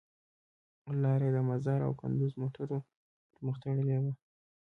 لار یې د مزار او کندوز موټرو پر مخ تړلې وه.